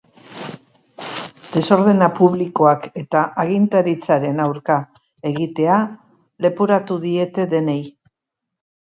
Desordena publikoak eta agintaritzaren aurka egitea leporatu diete denei.